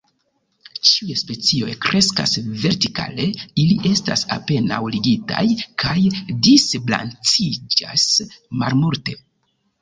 Ĉiuj specioj kreskas vertikale, ili estas apenaŭ ligitaj kaj disbranĉiĝas malmulte.